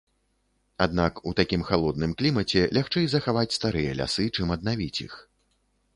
Аднак, у такім халодным клімаце лягчэй захаваць старыя лясы, чым аднавіць іх.